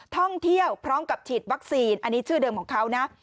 ท่องเที่ยวพร้อมกับฉีดวัคซีนอันนี้ชื่อเดิมของเขานะ